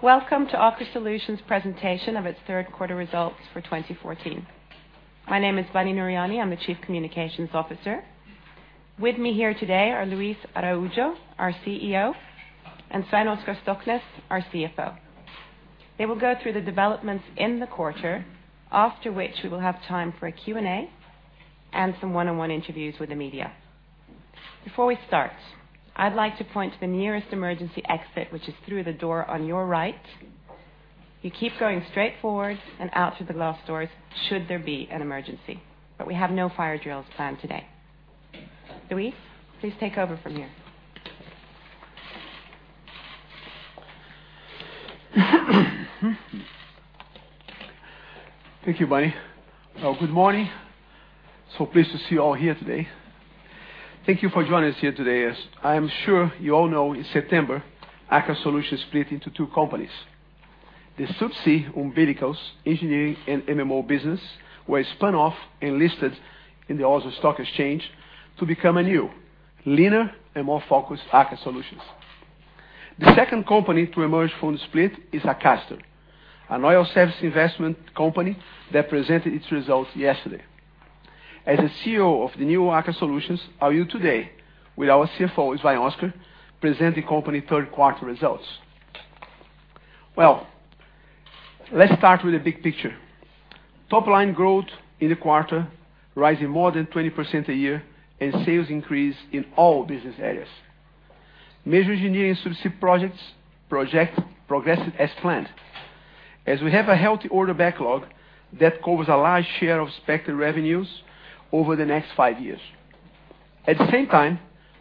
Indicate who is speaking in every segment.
Speaker 1: Welcome to Aker Solutions presentation of its Third Quarter Results for 2014. My name is Bunny Nooryani, I'm the Chief Communications Officer. With me here today are Luis Araujo, our CEO, and Svein Oskar Stoknes, our CFO. They will go through the developments in the quarter, after which we will have time for a Q&A and some one-on-one interviews with the media. Before we start, I'd like to point to the nearest emergency exit, which is through the door on your right. You keep going straight forward and out through the glass doors should there be an emergency. We have no fire drills planned today. Luis, please take over from here.
Speaker 2: Thank you, Bunny. Good morning. So pleased to see you all here today. Thank you for joining us here today. As I am sure you all know, in September, Aker Solutions split into two companies. The Subsea umbilicals engineering and MMO business were spun off and listed in the Oslo Stock Exchange to become a new, leaner, and more focused Aker Solutions. The second company to emerge from the split is Akastor, an oil service investment company that presented its results yesterday. As the CEO of the new Aker Solutions, I'm here today with our CFO, Svein Oskar, present the company third quarter results. Let's start with the big picture. Top line growth in the quarter rising more than 20% a year and sales increase in all business areas. Major engineering subsea projects progressed as planned, as we have a healthy order backlog that covers a large share of expected revenues over the next five years. At the same time,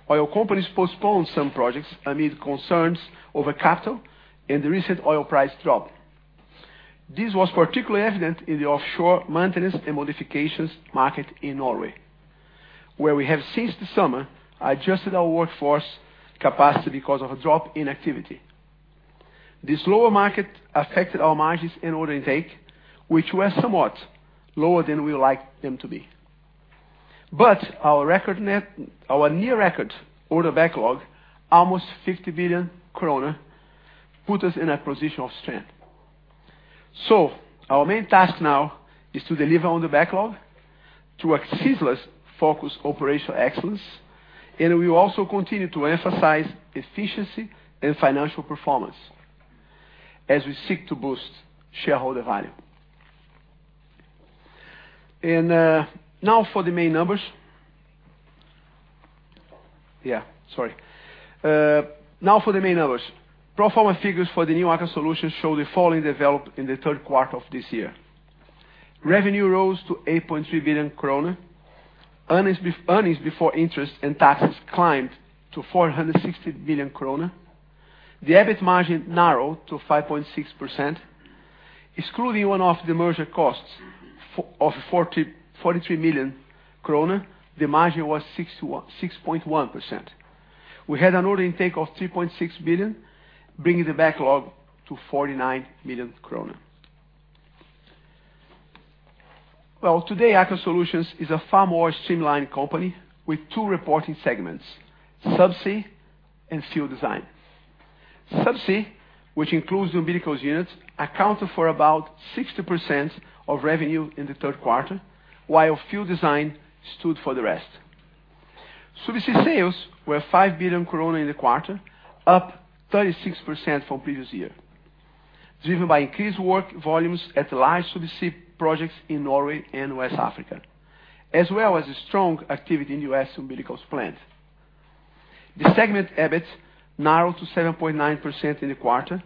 Speaker 2: oil companies postponed some projects amid concerns over capital and the recent oil price drop. This was particularly evident in the offshore maintenance and modifications market in Norway, where we have since the summer adjusted our workforce capacity because of a drop in activity. This lower market affected our margins and order intake, which were somewhat lower than we would like them to be. But our near-record order backlog, almost 50 billion kroner, put us in a position of strength. Our main task now is to deliver on the backlog through a ceaseless focus operational excellence, and we will also continue to emphasize efficiency and financial performance as we seek to boost shareholder value. Now for the main numbers. Yeah, sorry. Now for the main numbers. Pro forma figures for the new Aker Solutions show the following development in the third quarter of this year. Revenue rose to 8.3 billion krone. Earnings before interest and taxes climbed to 460 billion krone. The EBIT margin narrowed to 5.6%. Excluding one-off demerger costs of 43 billion krone, the margin was 6.1%. We had an order intake of 3.6 billion, bringing the backlog to 49 billion krone. Well, today, Aker Solutions is a far more streamlined company with two reporting segments: subsea and field design. Subsea, which includes umbilicals units, accounted for about 60% of revenue in the third quarter, while field design stood for the rest. Subsea sales were 5 billion in the quarter, up 36% from previous year, driven by increased work volumes at large subsea projects in Norway and West Africa, as well as strong activity in U.S. umbilicals plant. The segment EBIT narrowed to 7.9% in the quarter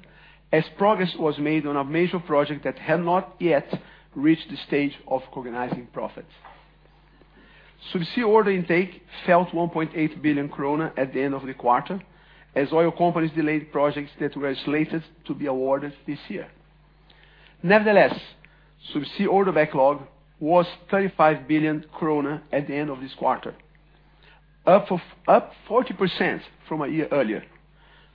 Speaker 2: as progress was made on a major project that had not yet reached the stage of recognizing profit. Subsea order intake fell to 1.8 billion krone at the end of the quarter as oil companies delayed projects that were slated to be awarded this year. Nevertheless, subsea order backlog was 35 billion kroner at the end of this quarter, up 40% from a year earlier,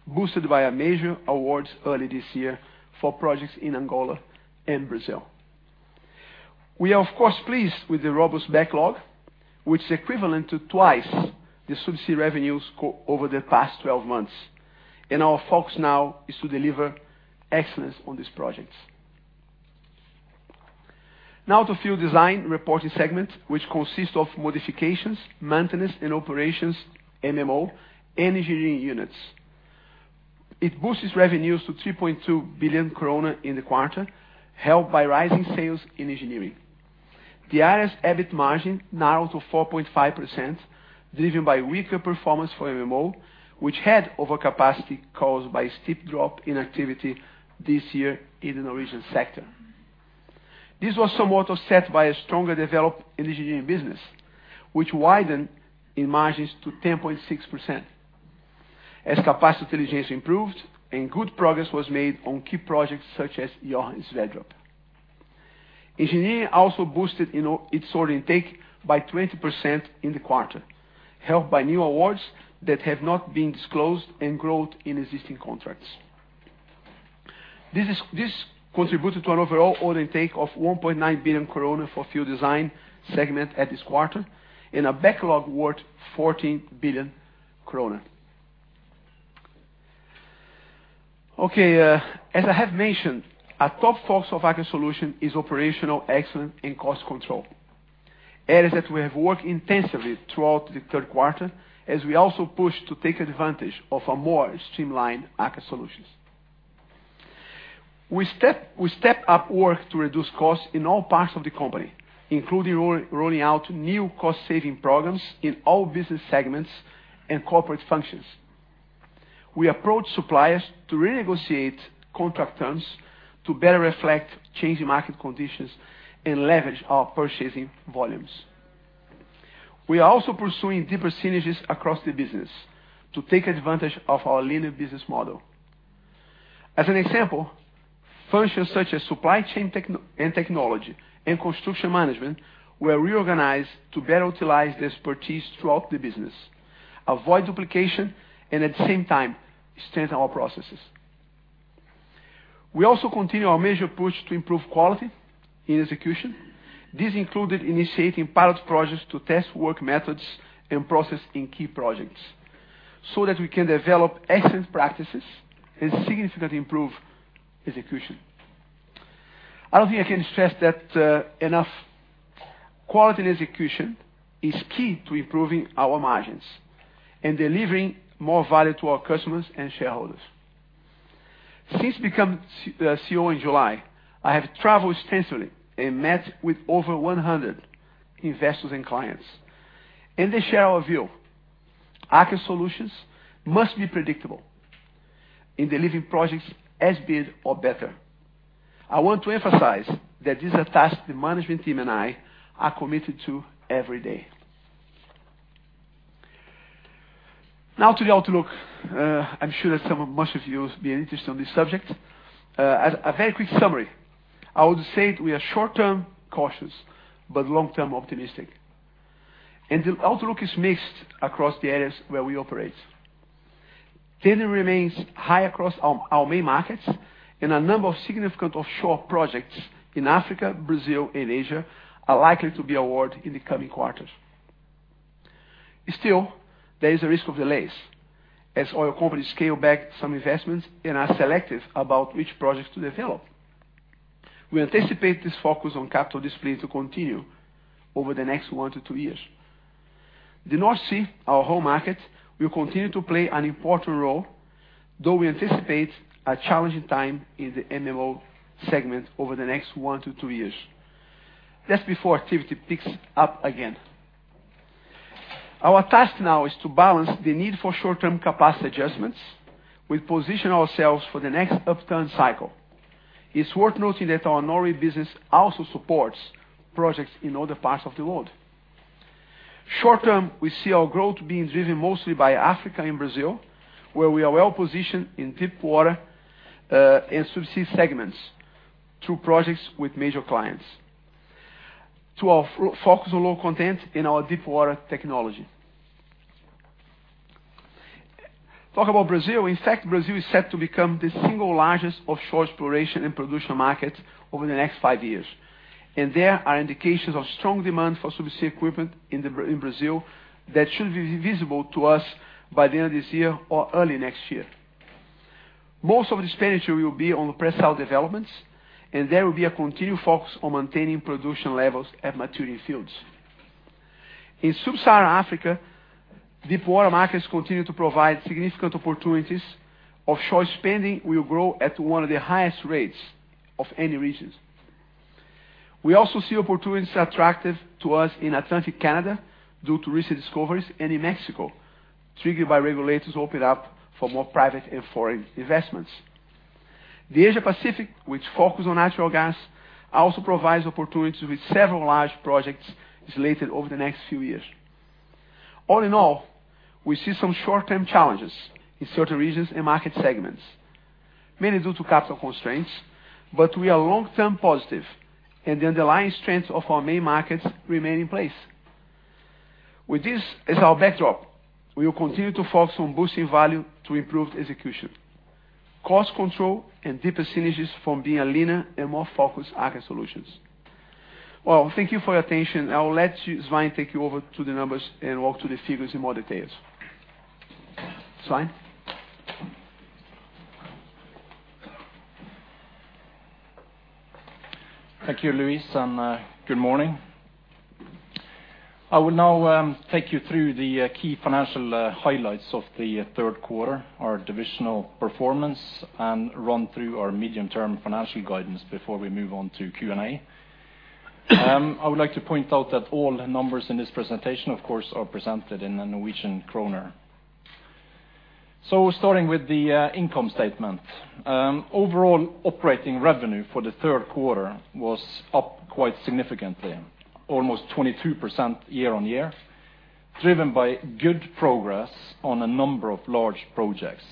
Speaker 2: boosted by a major award early this year for projects in Angola and Brazil. We are of course pleased with the robust backlog, which is equivalent to twice the subsea revenues over the past 12 months. Our focus now is to deliver excellence on these projects. Now to field design reporting segment, which consists of modifications, maintenance, and operations, MMO, engineering units. It boosts revenues to 3.2 billion krone in the quarter, helped by rising sales in engineering. The area's EBIT margin narrowed to 4.5%, driven by weaker performance for MMO, which had overcapacity caused by a steep drop in activity this year in the Norwegian sector. This was somewhat offset by a stronger develop in engineering business, which widened in margins to 10.6% as capacity utilization improved and good progress was made on key projects such as Johan Sverdrup. Engineering also boosted its order intake by 20% in the quarter, helped by new awards that have not been disclosed and growth in existing contracts. This contributed to an overall order intake of 1.9 billion krone for Field Design segment at this quarter and a backlog worth 14 billion krone. As I have mentioned, a top focus of Aker Solutions is operational excellence and cost control. Areas that we have worked intensively throughout the third quarter, as we also push to take advantage of a more streamlined Aker Solutions. We step up work to reduce costs in all parts of the company, including rolling out new cost-saving programs in all business segments and corporate functions. We approach suppliers to renegotiate contract terms to better reflect changing market conditions and leverage our purchasing volumes. We are also pursuing deeper synergies across the business to take advantage of our linear business model. As an example, functions such as supply chain technology and construction management were reorganized to better utilize the expertise throughout the business, avoid duplication, and at the same time, strengthen our processes. We also continue our major push to improve quality in execution. This included initiating pilot projects to test work methods and process in key projects so that we can develop excellent practices and significantly improve execution. I don't think I can stress that enough. Quality and Execution is key to improving our margins and delivering more value to our customers and shareholders. Since becoming CEO in July, I have traveled extensively and met with over 100 investors and clients, and they share our view. Aker Solutions must be predictable in delivering projects as bid or better. I want to emphasize that this is a task the management team and I are committed to every day. Now to the outlook. I'm sure that most of you will be interested in this subject. As a very quick summary, I would say we are short-term cautious, but long-term optimistic. The outlook is mixed across the areas where we operate. Tendering remains high across our main markets and a number of significant offshore projects in Africa, Brazil, and Asia are likely to be award in the coming quarters. Still, there is a risk of delays as oil companies scale back some investments and are selective about which projects to develop. We anticipate this focus on capital discipline to continue over the next one to two years. The North Sea, our home market, will continue to play an important role, though we anticipate a challenging time in the MMO segment over the next 1-2 years. Just before activity picks up again. Our task now is to balance the need for short-term capacity adjustments. We position ourselves for the next upturn cycle. It's worth noting that our Norway business also supports projects in other parts of the world. Short-term, we see our growth being driven mostly by Africa and Brazil, where we are well-positioned in deep water and subsea segments through projects with major clients. To our focus on low content in our deep water technology. In fact, Brazil is set to become the single largest offshore exploration and production market over the next 5 years. There are indications of strong demand for subsea equipment in Brazil that should be visible to us by the end of this year or early next year. Most of the expenditure will be on pre-salt developments. There will be a continued focus on maintaining production levels at maturing fields. In Sub-Saharan Africa, deep water markets continue to provide significant opportunities. Offshore spending will grow at one of the highest rates of any regions. We also see opportunities attractive to us in Atlantic Canada due to recent discoveries and in Mexico, triggered by regulators opening up for more private and foreign investments. The Asia Pacific, which focus on natural gas, also provides opportunities with several large projects slated over the next few years. All in all, we see some short-term challenges in certain regions and market segments, mainly due to capital constraints, but we are long-term positive and the underlying strength of our main markets remain in place. With this as our backdrop, we will continue to focus on boosting value to improve execution, cost control and deeper synergies from being a leaner and more focused Aker Solutions. Well, thank you for your attention. I will let Svein take you over to the numbers and walk through the figures in more details. Svein?
Speaker 3: Thank you, Luis. Good morning. I will now take you through the key financial highlights of the third quarter, our divisional performance, and run through our medium-term financial guidance before we move on to Q&A. I would like to point out that all numbers in this presentation, of course, are presented in the Norwegian kroner. Starting with the income statement. Overall operating revenue for the third quarter was up quite significantly, almost 22% year-over-year, driven by good progress on a number of large projects.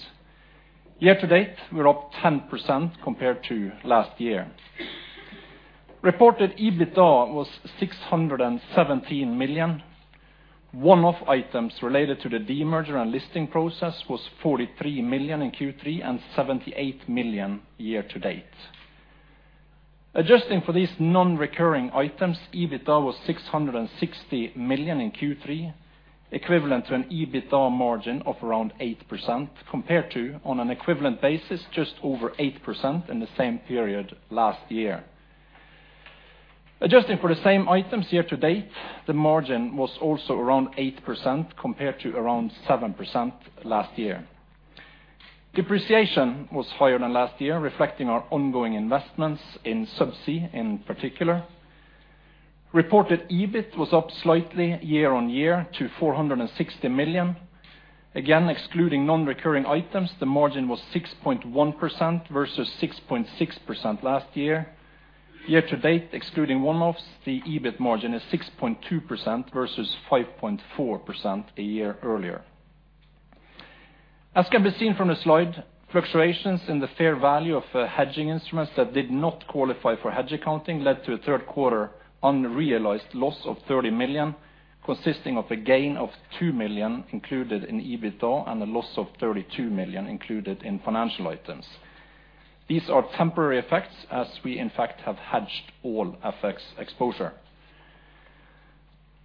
Speaker 3: Year to date, we're up 10% compared to last year. Reported EBITDA was 617 million. One-off items related to the demerger and listing process was 43 million in Q3 and 78 million year to date. Adjusting for these non-recurring items, EBITDA was 660 million in Q3, equivalent to an EBITDA margin of around 8% compared to, on an equivalent basis, just over 8% in the same period last year. Adjusting for the same items year-to-date, the margin was also around 8% compared to around 7% last year. Depreciation was higher than last year, reflecting our ongoing investments in Subsea in particular. Reported EBIT was up slightly year-on-year to 460 million. Excluding non-recurring items, the margin was 6.1% versus 6.6% last year. Year-to-date, excluding one-offs, the EBIT margin is 6.2% versus 5.4% a year earlier. As can be seen from the slide, fluctuations in the fair value of hedging instruments that did not qualify for hedge accounting led to a third quarter unrealized loss of 30 million, consisting of a gain of 2 million included in EBITDA and a loss of 32 million included in financial items. These are temporary effects as we in fact have hedged all FX exposure.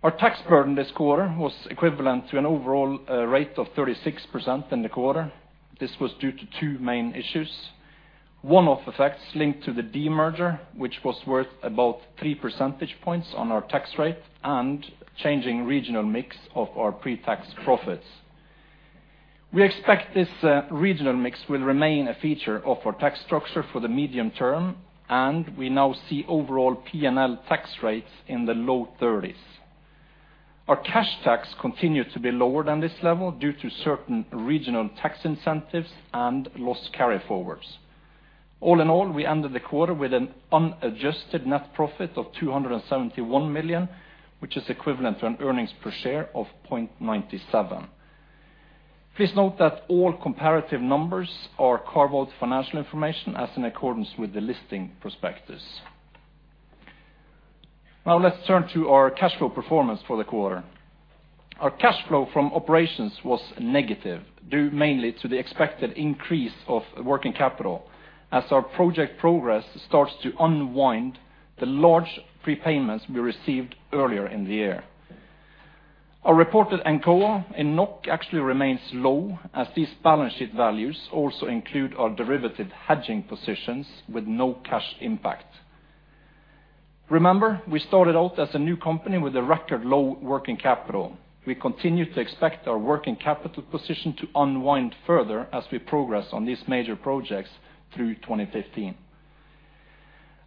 Speaker 3: Our tax burden this quarter was equivalent to an overall rate of 36% in the quarter. This was due to two main issues. One-off effects linked to the demerger, which was worth about 3 percentage points on our tax rate and changing regional mix of our pre-tax profits. We expect this regional mix will remain a feature of our tax structure for the medium term, and we now see overall P&L tax rates in the low 30s. Our cash tax continued to be lower than this level due to certain regional tax incentives and loss carryforwards. All in all, we ended the quarter with an unadjusted net profit of 271 million, which is equivalent to an earnings per share of 0.97. Please note that all comparative numbers are carve-out financial information as in accordance with the listing prospectus. Let's turn to our cash flow performance for the quarter. Our cash flow from operations was negative, due mainly to the expected increase of working capital as our project progress starts to unwind the large prepayments we received earlier in the year. Our reported NCOA in NOK actually remains low as these balance sheet values also include our derivative hedging positions with no cash impact. Remember, we started out as a new company with a record low working capital. We continue to expect our working capital position to unwind further as we progress on these major projects through 2015.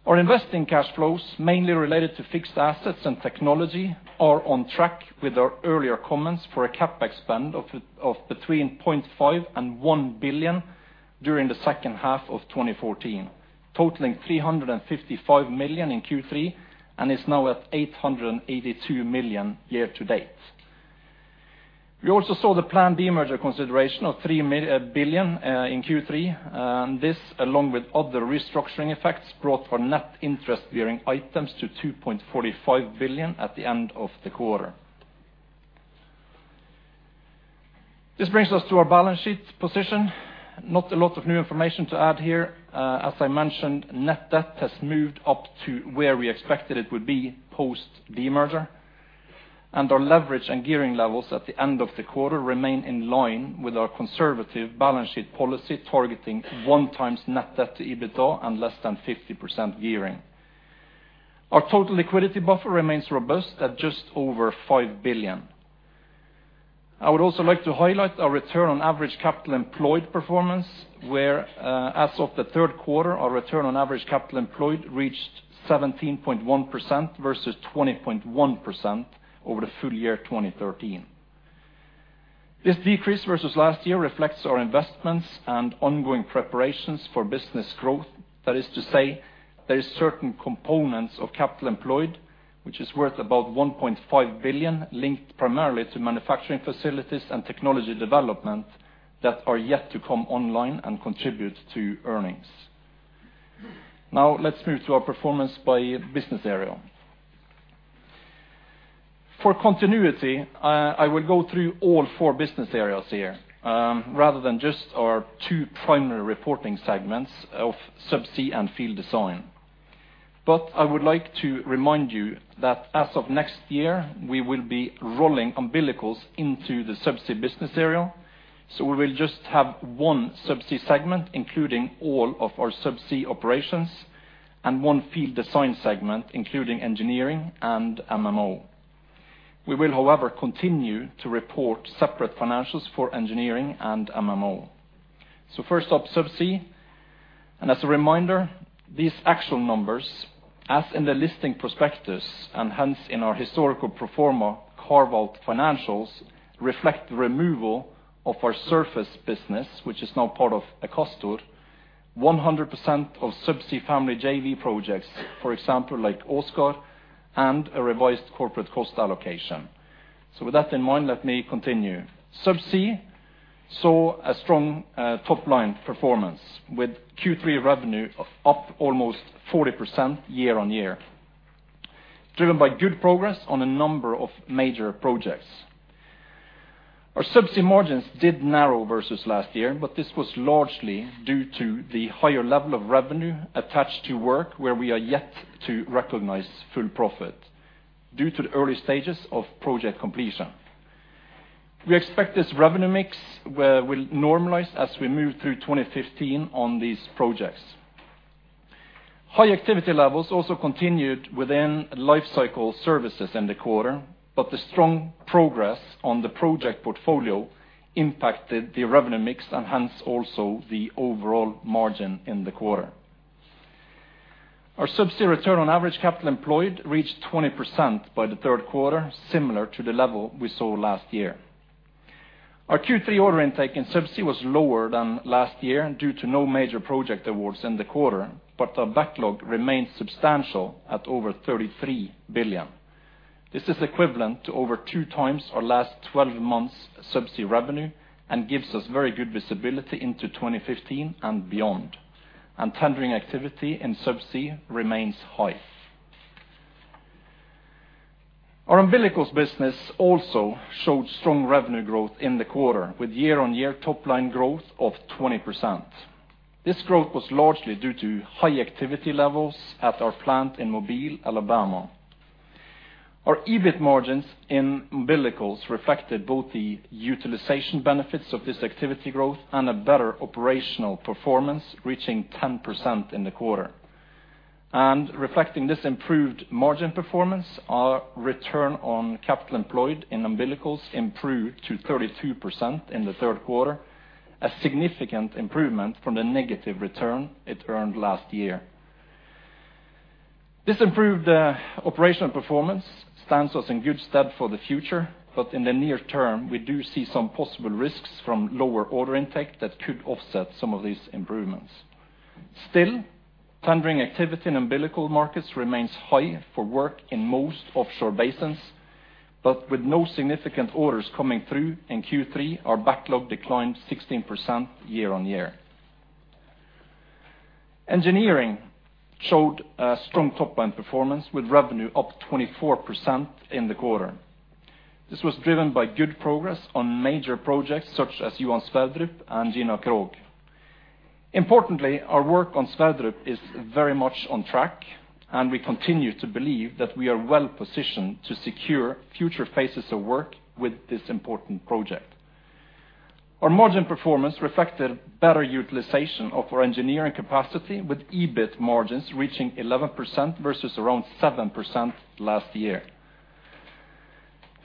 Speaker 3: Our investing cash flows, mainly related to fixed assets and technology, are on track with our earlier comments for a CapEx spend of between 0.5 billion and 1 billion during the second half of 2014, totaling 355 million in Q3 and is now at 882 million year-to-date. We also saw the planned demerger consideration of 3 billion in Q3, this, along with other restructuring effects, brought our net interest bearing items to 2.45 billion at the end of the quarter. This brings us to our balance sheet position. Not a lot of new information to add here. As I mentioned, net debt has moved up to where we expected it would be post demerger. Our leverage and gearing levels at the end of the quarter remain in line with our conservative balance sheet policy targeting 1 times net debt to EBITDA and less than 50% gearing. Our total liquidity buffer remains robust at just over 5 billion. I would also like to highlight our return on average capital employed performance, where, as of the third quarter, our return on average capital employed reached 17.1% versus 20.1% over the full year 2013. This decrease versus last year reflects our investments and ongoing preparations for business growth. That is to say, there is certain components of capital employed, which is worth about 1.5 billion linked primarily to manufacturing facilities and technology development, that are yet to come online and contribute to earnings. Now let's move to our performance by business area. For continuity, I will go through all four business areas here, rather than just our two primary reporting segments of Subsea and Field Design. But I would like to remind you that as of next year, we will be rolling umbilicals into the Subsea business area, so we will just have one Subsea segment, including all of our Subsea operations, and one Field Design segment, including Engineering and MMO. We will, however, continue to report separate financials for Engineering and MMO. First up, Subsea. As a reminder, these actual numbers, as in the listing prospectus, and hence in our historical pro forma carve-out financials, reflect the removal of our surface business, which is now part of Akastor, 100% of Subsea family JV projects, for example, like Oscar, and a revised corporate cost allocation. With that in mind, let me continue. Subsea saw a strong top-line performance with Q3 revenue of, up almost 40% year-on-year, driven by good progress on a number of major projects. Our Subsea margins did narrow versus last year, this was largely due to the higher level of revenue attached to work where we are yet to recognize full profit due to the early stages of project completion. We expect this revenue mix will normalize as we move through 2015 on these projects. High activity levels also continued within lifecycle services in the quarter, but the strong progress on the project portfolio impacted the revenue mix and hence also the overall margin in the quarter. Our Subsea return on average capital employed reached 20% by the third quarter, similar to the level we saw last year. Our Q3 order intake in Subsea was lower than last year due to no major project awards in the quarter, but our backlog remains substantial at over 33 billion. This is equivalent to over 2 times our last 12 months Subsea revenue and gives us very good visibility into 2015 and beyond, and tendering activity in Subsea remains high. Our Umbilicals business also showed strong revenue growth in the quarter with year-on-year top line growth of 20%. This growth was largely due to high activity levels at our plant in Mobile, Alabama. Our EBIT margins in Umbilicals reflected both the utilization benefits of this activity growth and a better operational performance reaching 10% in the quarter. Reflecting this improved margin performance, our return on capital employed in Umbilicals improved to 32% in the third quarter, a significant improvement from the negative return it earned last year. This improved operational performance stands us in good stead for the future, but in the near term, we do see some possible risks from lower order intake that could offset some of these improvements. Still, tendering activity in Umbilical markets remains high for work in most offshore basins, but with no significant orders coming through in Q3, our backlog declined 16% year-on-year. Engineering showed a strong top-line performance with revenue up 24% in the quarter. This was driven by good progress on major projects such as Johan Sverdrup and Gina Krog. Importantly, our work on Sverdrup is very much on track, and we continue to believe that we are well-positioned to secure future phases of work with this important project. Our margin performance reflected better utilization of our engineering capacity with EBIT margins reaching 11% versus around 7% last year.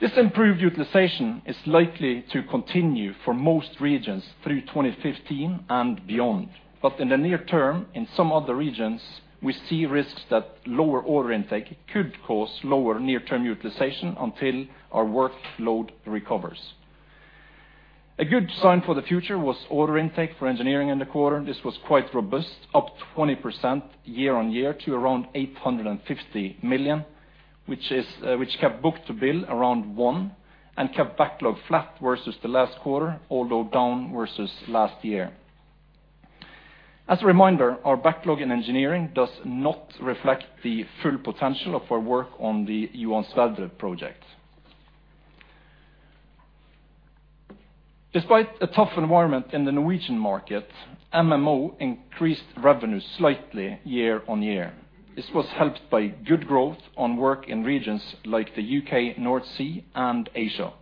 Speaker 3: This improved utilization is likely to continue for most regions through 2015 and beyond. In the near term, in some other regions, we see risks that lower order intake could cause lower near-term utilization until our workload recovers. A good sign for the future was order intake for engineering in the quarter. This was quite robust, up 20% year-on-year to around 850 million, which kept book-to-bill around 1 and kept backlog flat versus the last quarter, although down versus last year. As a reminder, our backlog in engineering does not reflect the full potential of our work on the Johan Sverdrup project. Despite a tough environment in the Norwegian market, MMO increased revenue slightly year-on-year. This was helped by good growth on work in regions like the U.K., North Sea, and Asia.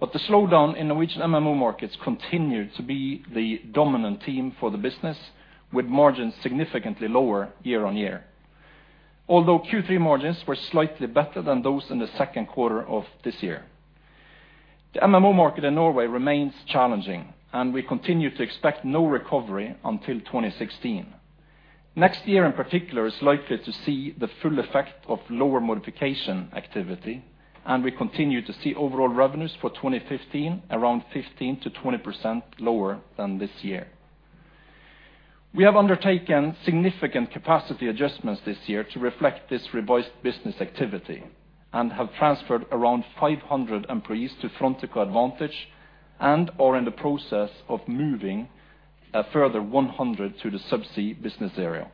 Speaker 3: The slowdown in Norwegian MMO markets continued to be the dominant theme for the business, with margins significantly lower year-on-year. Although Q3 margins were slightly better than those in the second quarter of this year. The MMO market in Norway remains challenging, and we continue to expect no recovery until 2016. Next year, in particular, is likely to see the full effect of lower modification activity, and we continue to see overall revenues for 2015 around 15%-20% lower than this year. We have undertaken significant capacity adjustments this year to reflect this revised business activity and have transferred around 500 employees to Frontica Advantage and are in the process of moving a further 100 to the Subsea business area.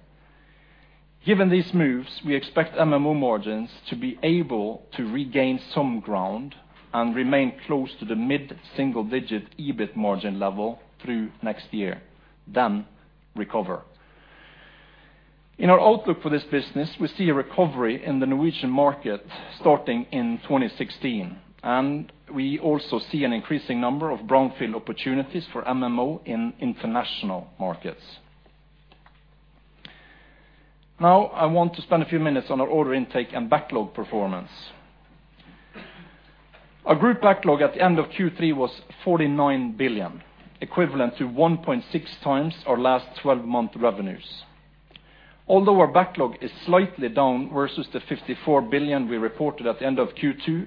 Speaker 3: Given these moves, we expect MMO margins to be able to regain some ground and remain close to the mid-single digit EBIT margin level through next year, then recover. In our outlook for this business, we see a recovery in the Norwegian market starting in 2016, and we also see an increasing number of brownfield opportunities for MMO in international markets. Now I want to spend a few minutes on our order intake and backlog performance. Our group backlog at the end of Q3 was 49 billion, equivalent to 1.6 times our last 12-month revenues. Although our backlog is slightly down versus the 54 billion we reported at the end of Q2,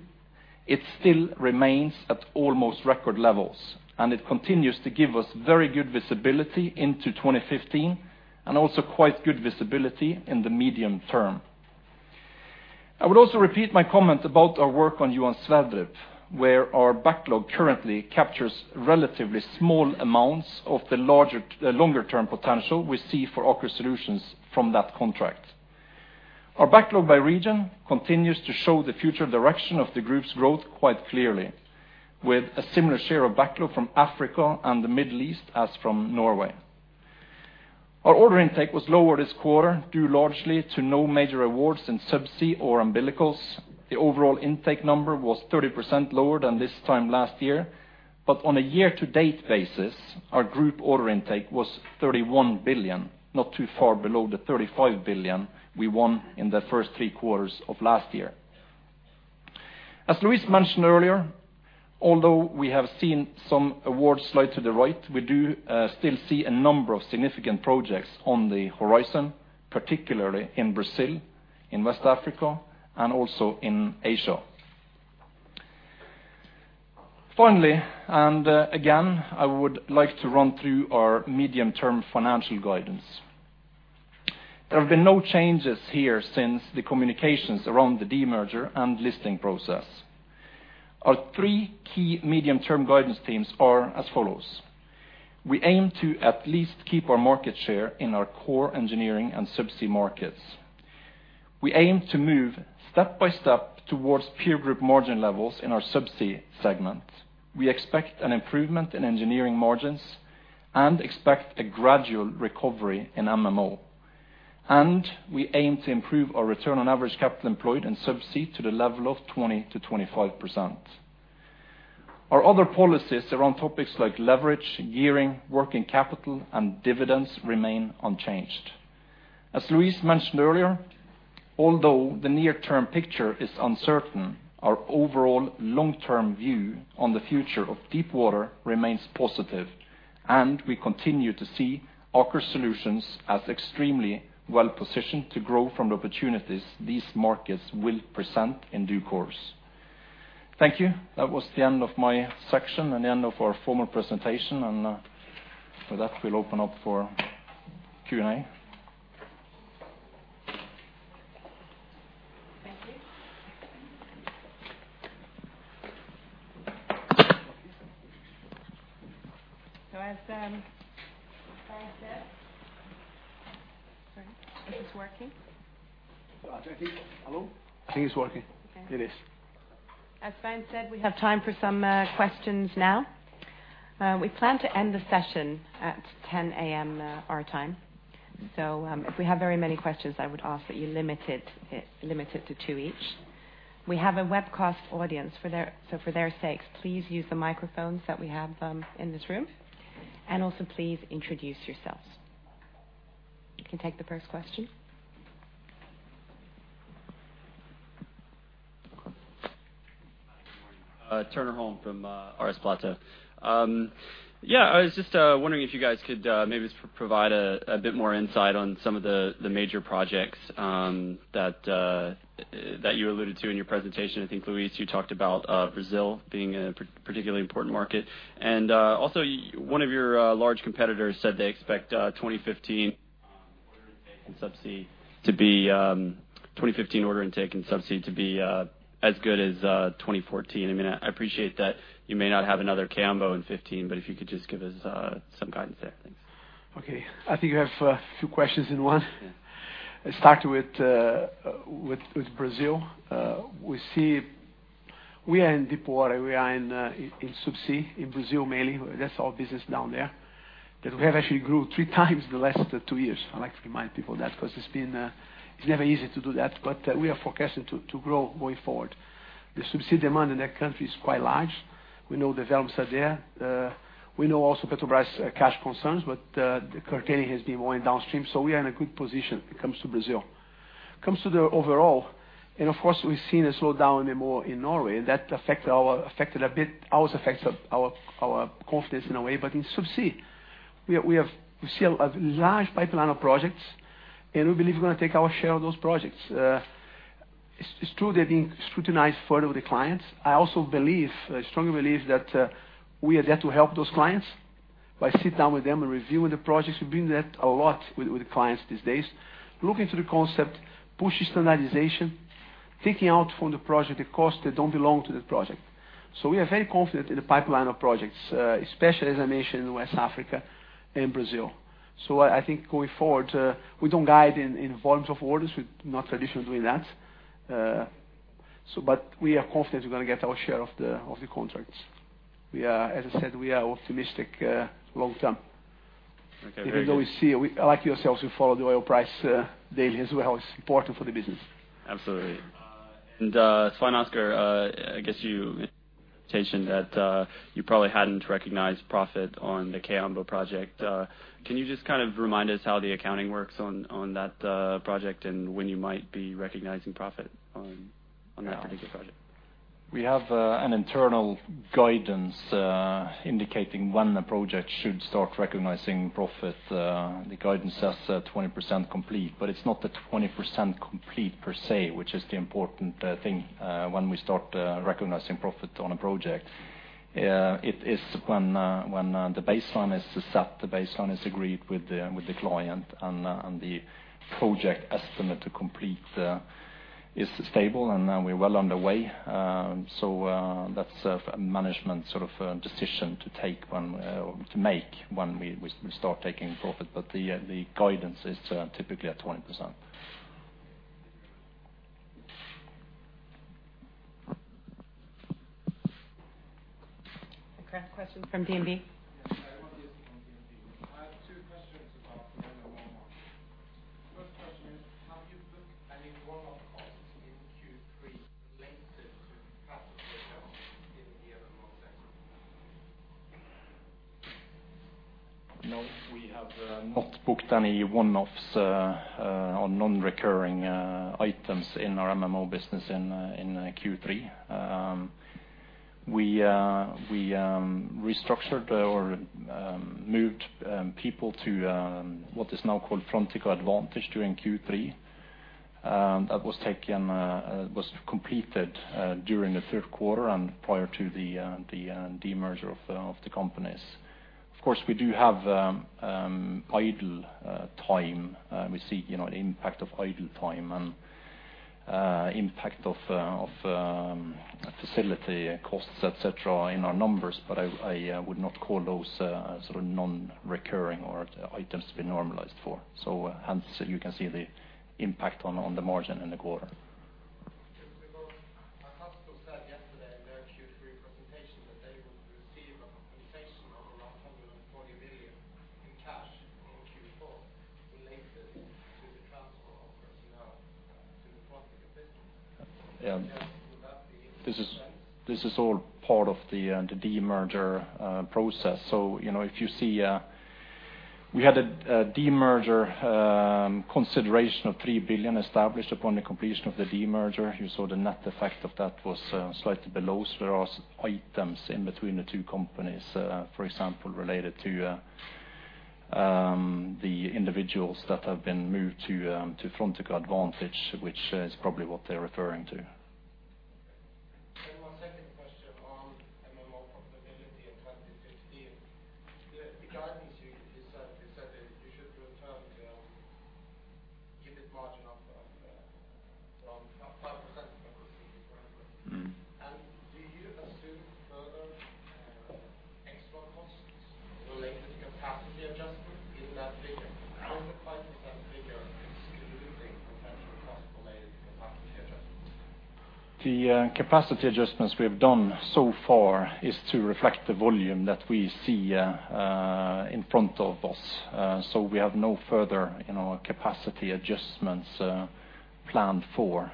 Speaker 3: it still remains at almost record levels, and it continues to give us very good visibility into 2015 and also quite good visibility in the medium term. I would also repeat my comment about our work on Johan Sverdrup, where our backlog currently captures relatively small amounts of the longer-term potential we see for Aker Solutions from that contract. Our backlog by region continues to show the future direction of the group's growth quite clearly, with a similar share of backlog from Africa and the Middle East as from Norway. Our order intake was lower this quarter, due largely to no major awards in subsea or umbilicals. The overall intake number was 30% lower than this time last year. On a year-to-date basis, our group order intake was 31 billion, not too far below the 35 billion we won in the first 3 quarters of last year. As Luis mentioned earlier, although we have seen some awards slide to the right, we do still see a number of significant projects on the horizon, particularly in Brazil, in West Africa, and also in Asia. Finally, and again, I would like to run through our medium-term financial guidance. There have been no changes here since the communications around the demerger and listing process. Our three key medium-term guidance themes are as follows. We aim to at least keep our market share in our core engineering and subsea markets. We aim to move step by step towards peer group margin levels in our subsea segment. We expect an improvement in engineering margins and expect a gradual recovery in MMO. We aim to improve our return on average capital employed in subsea to the level of 20-25%. Our other policies around topics like leverage, gearing, working capital, and dividends remain unchanged. As Luis mentioned earlier, although the near-term picture is uncertain, our overall long-term view on the future of deepwater remains positive, and we continue to see Aker Solutions as extremely well-positioned to grow from the opportunities these markets will present in due course. Thank you. That was the end of my section and the end of our formal presentation. With that, we'll open up for Q&A.
Speaker 1: Thank you. As Svein said. Sorry, is this working?
Speaker 2: Hello? I think it's working.
Speaker 1: Okay.
Speaker 2: It is.
Speaker 1: As Svein said, we have time for some questions now. We plan to end the session at 10:00 A.M. our time. If we have very many questions, I would ask that you limit it to two each. We have a webcast audience for their sakes, please use the microphones that we have in this room. Also please introduce yourselves. You can take the first question.
Speaker 4: Hi, good morning. Turner Holm from RS Platou. Yeah, I was just wondering if you guys could maybe provide a bit more insight on some of the major projects that that you alluded to in your presentation. I think, Luis, you talked about Brazil being a particularly important market. And also one of your large competitors said they expect 2015 order intake in subsea to be as good as 2014. I mean, I appreciate that you may not have another Kaombo in 15, but if you could just give us some guidance there. Thanks.
Speaker 2: Okay. I think you have a few questions in one.
Speaker 4: Yeah.
Speaker 2: Let's start with Brazil. We are in deepwater, we are in subsea in Brazil mainly. That's our business down there. That we have actually grew 3 times the last 2 years. I'd like to remind people that, because it's been, it's never easy to do that. We are forecasting to grow going forward. The subsea demand in that country is quite large. We know the developments are there. We know also Petrobras cash concerns, the curtailing has been more in downstream, so we are in a good position when it comes to Brazil. When it comes to the overall, of course, we've seen a slowdown in MMO in Norway, and that affected a bit, also affects our confidence in a way. In subsea, we see a large pipeline of projects, and we believe we're gonna take our share of those projects. It's true they're being scrutinized further with the clients. I also believe, I strongly believe that we are there to help those clients by sit down with them and reviewing the projects. We've been doing that a lot with clients these days. Look into the concept, push standardization, taking out from the project the costs that don't belong to the project. We are very confident in the pipeline of projects, especially as I mentioned, in West Africa and Brazil. I think going forward, we don't guide in volumes of orders. We're not traditional doing that. We are confident we're gonna get our share of the contracts. We are, as I said, we are optimistic, long term.
Speaker 4: Okay, very good.
Speaker 2: Even though we, like yourselves, we follow the oil price daily as well. It's important for the business.
Speaker 4: Absolutely. Svein Oskar, I guess you mentioned that you probably hadn't recognized profit on the Kaombo project. Can you just kind of remind us how the accounting works on that project and when you might be recognizing profit on that particular project?
Speaker 3: We have an internal guidance indicating when the project should start recognizing profit. The guidance says, 20% complete, but it's not the 20% complete per se, which is the important thing when we start recognizing profit on a project. It is when the baseline is set, the baseline is agreed with the client and the project estimate to complete is stable, and we're well underway. That's management sort of decision to take to make when we start taking profit. The guidance is typically at 20%.
Speaker 1: Okay. Question from DNB.
Speaker 5: Yes. I want to ask from DNB. I have two questions about MMO margin. First question is, have you booked any one-off costs in Q3 related to?
Speaker 3: No, we have not booked any one-offs or non-recurring items in our MMO business in Q3. We restructured or moved people to what is now called Frontica Advantage during Q3. That was taken was completed during the third quarter and prior to the demerger of the companies. Of course, we do have idle time. We see, you know, the impact of idle time and impact of facility costs, et cetera, in our numbers, but I would not call those sort of non-recurring or items to be normalized for. Hence, you can see the impact on the margin in the quarter.
Speaker 5: Just because a customer said yesterday in their Q3 presentation that they would receive a compensation of around NOK 140 million in cash in Q4 related to the transfer of personnel to the Frontica business.
Speaker 3: Yeah.
Speaker 5: Would that be-
Speaker 3: This is all part of the demerger process. You know, if you see, we had a demerger consideration of 3 billion established upon the completion of the demerger. You saw the net effect of that was slightly below. There are items in between the two companies, for example, related to the individuals that have been moved to Frontica Advantage, which is probably what they're referring to.
Speaker 5: My second question on MMO profitability in 2015. The guidance you said that you should return to EBIT margin of 5% for this year. Do you assume further, extra costs related to capacity adjustment in that figure? How is the 5% figure excluding potential costs related to capacity adjustments?
Speaker 3: The capacity adjustments we have done so far is to reflect the volume that we see in front of us. We have no further, you know, capacity adjustments planned for.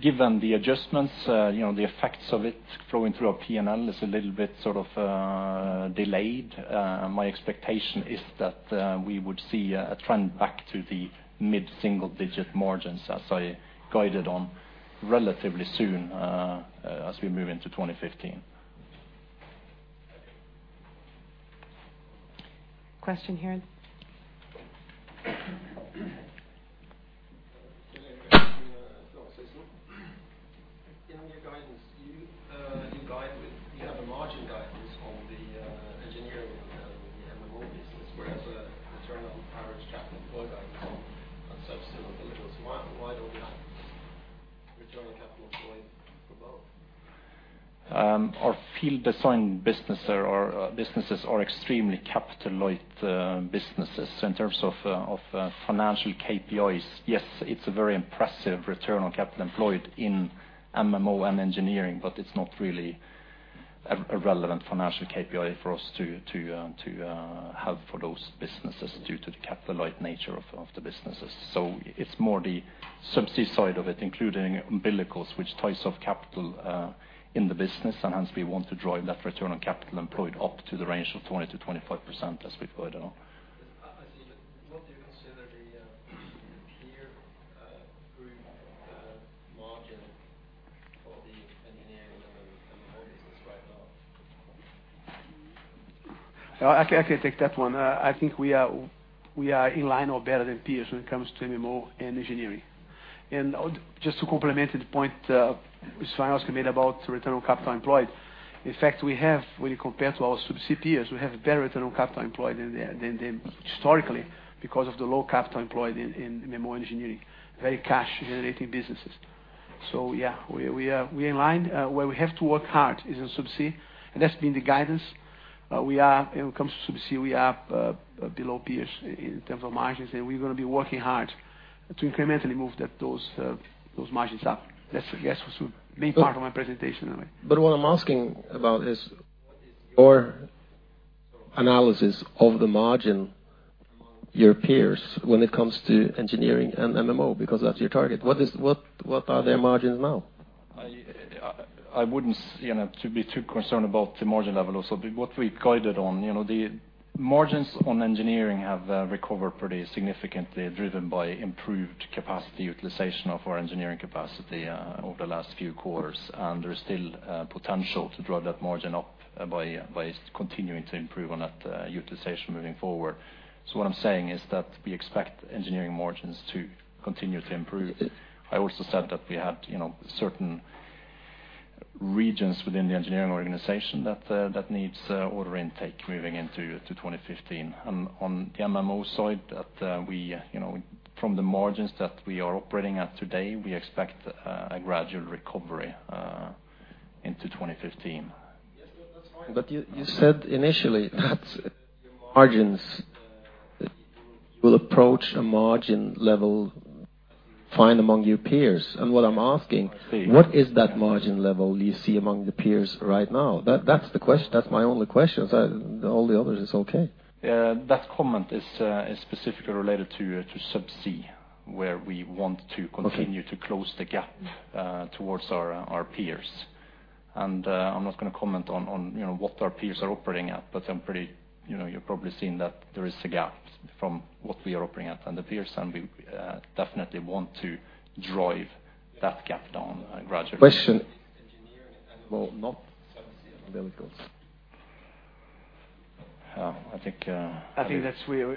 Speaker 3: Given the adjustments, you know, the effects of it flowing through our P&L is a little bit sort of delayed. My expectation is that we would see a trend back to the mid-single-digit margins as I guided on relatively soon as we move into 2015.
Speaker 1: Question here.
Speaker 6: In your guidance, you have a margin guidance on the engineering and the MMO business. Whereas the return on average capital employed guidance on Subsea and Umbilicals. Why don't you have return on capital employed for both?
Speaker 3: Our Field Design businesses are extremely capital light businesses. In terms of financial KPIs, yes, it's a very impressive return on capital employed in MMO and engineering, but it's not really a relevant financial KPI for us to have for those businesses due to the capital light nature of the businesses. It's more the Subsea side of it, including Umbilicals, which ties off capital in the business, and hence we want to drive that return on capital employed up to the range of 20%-25% as we've guided on.
Speaker 6: Yes. I see. Don't you consider the peer group margin for the engineering and the MMO business right now?
Speaker 2: I can take that one. I think we are in line or better than peers when it comes to MMO and engineering. Just to complement the point, Svein Oskar made about return on capital employed, in fact, we have, when you compare to our Subsea peers, we have better return on capital employed than them historically because of the low capital employed in MMO engineering, very cash generating businesses. Yeah, we are in line. Where we have to work hard is in Subsea, and that's been the guidance. When it comes to Subsea, we are below peers in terms of margins, and we're gonna be working hard to incrementally move that, those margins up. That's, I guess, was the main part of my presentation anyway.
Speaker 6: What I'm asking about is what is your analysis of the margin among your peers when it comes to engineering and MMO, because that's your target. What are their margins now?
Speaker 3: I wouldn't, you know, to be too concerned about the margin level also. What we've guided on, you know, the margins on engineering have recovered pretty significantly, driven by improved capacity utilization of our engineering capacity over the last few quarters. There's still potential to drive that margin up by continuing to improve on that utilization moving forward. So what I'm saying is that we expect engineering margins to continue to improve. I also said that we had, you know, certain Regions within the engineering organization that needs order intake moving into 2015. On the MMO side that we, you know, from the margins that we are operating at today, we expect a gradual recovery into 2015.
Speaker 6: You said initially that margins will approach a margin level fine among your peers. What I'm asking.
Speaker 2: I see.
Speaker 6: What is that margin level you see among the peers right now? That's my only question. All the others is okay.
Speaker 2: Yeah, that comment is specifically related to subsea.
Speaker 6: Okay.
Speaker 2: Where we continue to close the gap, towards our peers. I'm not gonna comment on, you know, what our peers are operating at, but I'm pretty, you know, you've probably seen that there is a gap from what we are operating at and the peers, and we, definitely want to drive that gap down, gradually.
Speaker 6: Question- Well, not subsea. There it goes. I think.
Speaker 2: I think that's where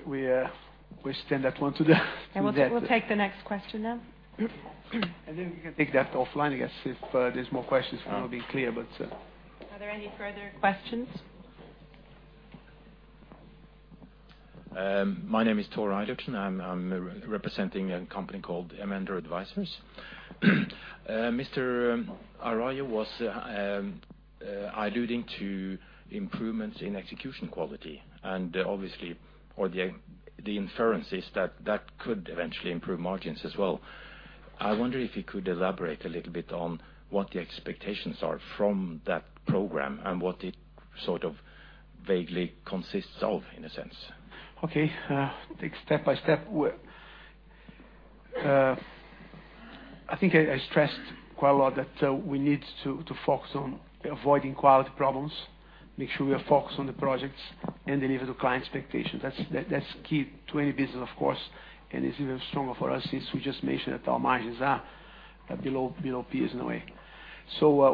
Speaker 2: we stand that one today.
Speaker 1: We'll take the next question now.
Speaker 2: We can take that offline, I guess, if there's more questions for me to be clear, but.
Speaker 1: Are there any further questions?
Speaker 7: My name is Thor Eika. I'm re-representing a company called Amender Advisors. Mr. Araujo was alluding to improvements in execution quality, obviously, or the inference is that that could eventually improve margins as well. I wonder if you could elaborate a little bit on what the expectations are from that program and what it sort of vaguely consists of, in a sense.
Speaker 2: Okay. Take step by step. I think I stressed quite a lot that we need to focus on avoiding quality problems, make sure we are focused on the projects, and deliver to client expectations. That's key to any business of course, and it's even stronger for us since we just mentioned that our margins are below peers in a way.